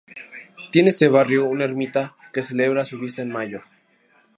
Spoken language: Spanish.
Tiene este barrio una ermita que celebra su fiesta en mayo.